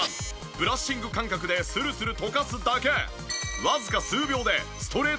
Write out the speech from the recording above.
ブラッシング感覚でスルスルとかすだけ。